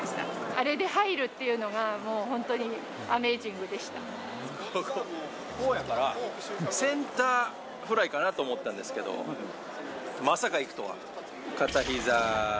あれで入るっていうのが、こうやから、センターフライかなと思ったんですけど、まさかいくとは。